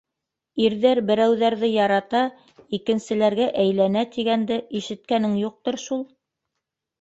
Ирҙәр берәүҙәрҙе ярата, икенселәргә әйләнә тигәнде ишеткәнең юҡтыр шул?